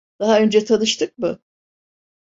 Daha önce tanıştık mı?